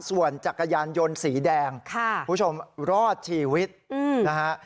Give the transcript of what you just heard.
ส่วนจักรยานยนต์สีแดงคุณผู้ชมรอดชีวิตนะฮะ